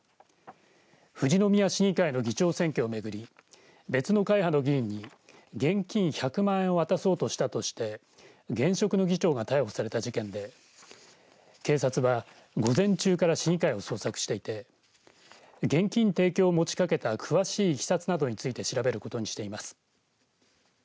富士宮市議会の議長選挙をめぐり別の会派の議員に現金１００万円を渡そうとしたとして現職の議長が逮捕された事件で警察は午前中から市議会を捜索していて現金提供を持ちかけた詳しいいきさつなどについて調べることにしています。